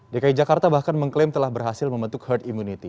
dki jakarta bahkan mengklaim telah berhasil membentuk herd immunity